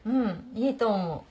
いいと思う。